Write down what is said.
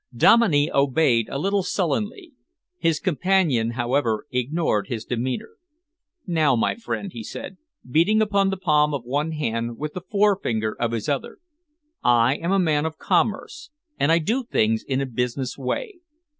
Dominey obeyed a little sullenly. His companion, however, ignored his demeanour. "Now, my friend," he said, beating upon the palm of one hand with the forefinger of his other, "I am a man of commerce and I do things in a business way.